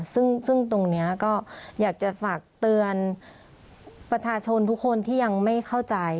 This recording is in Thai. ซึ่งตรงนี้ก็อยากจะฝากเตือนประชาชนทุกคนที่ยังไม่เข้าใจ